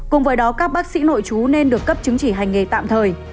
cùng với đó các bác sĩ nội chú nên được cấp chứng chỉ hành nghề tạm thời